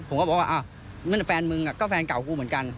ผมก็บอกว่าอ้าวนั่นแฟนมึงก็แฟนเก่ากูเหมือนกัน